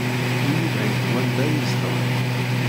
Ur yebɛid wanda ay zedɣen.